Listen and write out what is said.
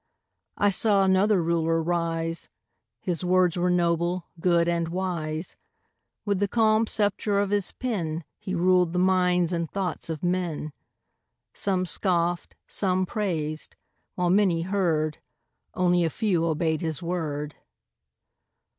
I saw another Ruler rise His words were noble, good, and wise; With the calm sceptre of his pen He ruled the minds and thoughts of men; Some scoffed, some praised while many heard, Only a few obeyed his word.